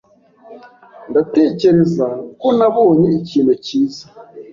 Ndatekereza ko nabonye ikintu cyiza.